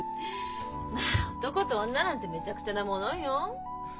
まあ男と女なんてめちゃくちゃなものよ。